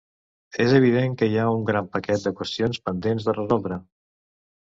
És evident que hi ha un gran paquet de qüestions pendents de resoldre